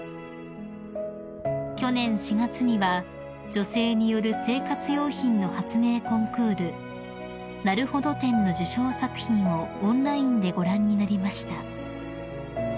［去年４月には女性による生活用品の発明コンクールなるほど展の受賞作品をオンラインでご覧になりました］